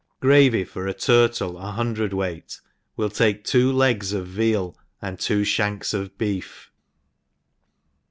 Gravy for a tiytle a hundred weight, will take two legs of veal^ add two (hank$ of beef.